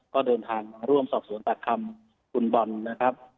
ก็เดินทางมาร่วมสอบสวนปากคำคุณบอลนะครับ